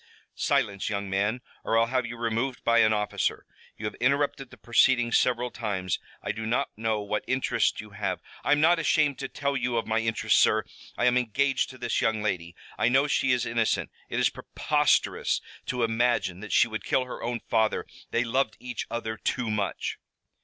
"Silence, young man, or I'll have you removed by an officer. You have interrupted the proceedings several times. I do not know what interest you have " "I am not ashamed to tell you of my interest, sir. I am engaged to this young lady. I know she is innocent. It is preposterous to imagine that she would kill her own father. They loved each other too much."